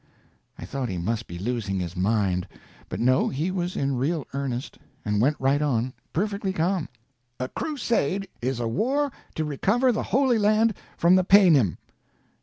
I thought he must be losing his mind. But no, he was in real earnest, and went right on, perfectly ca'm. "A crusade is a war to recover the Holy Land from the paynim."